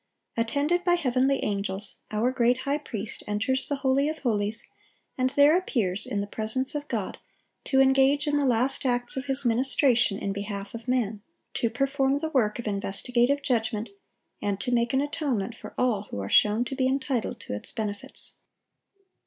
Attended by heavenly angels, our great High Priest enters the holy of holies, and there appears in the presence of God, to engage in the last acts of His ministration in behalf of man,—to perform the work of investigative judgment, and to make an atonement for all who are shown to be entitled to its benefits.